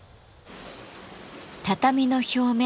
畳の表面